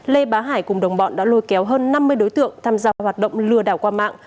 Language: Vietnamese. lê bá hải cùng đồng bọn đã lôi kéo hơn năm mươi đối tượng tham gia hoạt động lừa đảo qua mạng